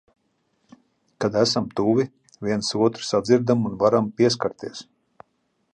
Kad esam tuvi, viens otru sadzirdam un varam pieskarties.